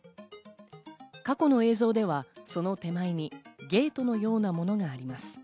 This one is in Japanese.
過去の映像ではその手前にゲートのようなものがあります。